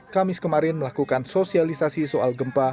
kamis kemarin melakukan sosialisasi soal gempa